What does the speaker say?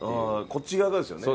こっち側がですよね？